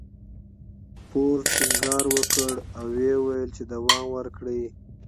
فورډ ټينګار وکړ او ويې ويل چې دوام ورکړئ.